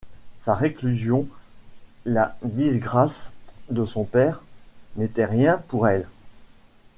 Sa réclusion, la disgrâce de son père, n’étaient rien pour elle.